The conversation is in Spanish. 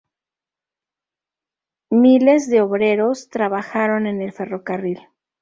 Miles de obreros trabajaron en el ferrocarril.